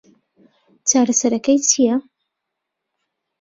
چارەسەرەکەی چییە؟